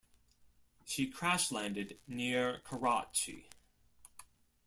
She crash-landed near Karachi.